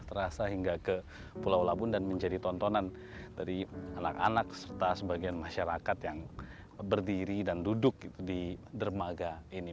terasa hingga ke pulau labun dan menjadi tontonan dari anak anak serta sebagian masyarakat yang berdiri dan duduk di dermaga ini